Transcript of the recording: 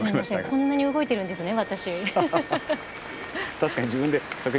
こんなに私動いているんですね。